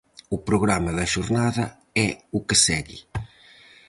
O programa da xornada é o que segue: